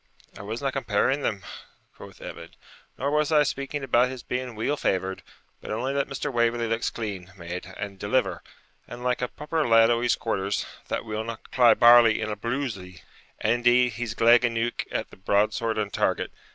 'I wasna comparing them,' quoth Evan, 'nor was I speaking about his being weel favoured; but only that Mr. Waverley looks clean made and deliver, and like a proper lad o' his quarters, that will not cry barley in a brulzie. And, indeed, he's gleg aneuch at the broadsword and target.